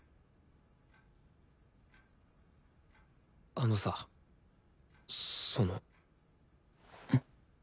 あのさその。